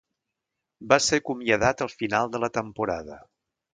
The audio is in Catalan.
Va ser acomiadat al final de la temporada.